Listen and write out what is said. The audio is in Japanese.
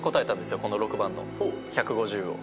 この６番の１５０を。